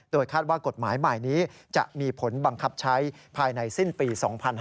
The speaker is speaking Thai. คาดว่ากฎหมายใหม่นี้จะมีผลบังคับใช้ภายในสิ้นปี๒๕๕๙